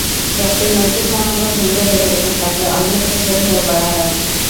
ব্যক্তির নৈতিক মনোবল ভেঙে দেয় এবং তাকে অন্যের চোখে হেয় করা হয়।